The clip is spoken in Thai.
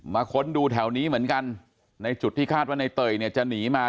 ค้นดูแถวนี้เหมือนกันในจุดที่คาดว่าในเตยเนี่ยจะหนีมา